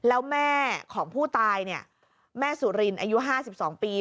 แล้วแม่ของผู้ตายเนี่ยแม่สุรินอายุ๕๒ปี